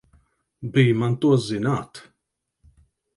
Bij man to zināt!